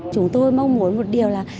chúng tôi mong muốn một điều là